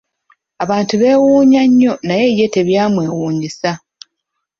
Abantu beewunnya nnyo naye ye tebyamwewuunyisa!